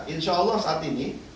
insyaallah saat ini